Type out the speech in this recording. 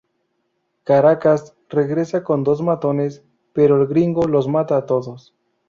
Caracas regresa con dos matones, pero el Gringo los mata a todos.